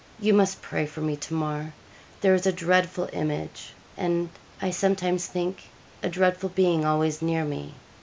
You must pray for me, Tamar. There is a dreadful image and I sometimes think a dreadful being always near me.